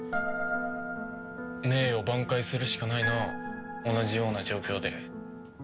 名誉挽回するしかないな同じような状況で。